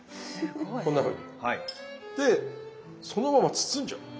こんなふうに。でそのまま包んじゃう。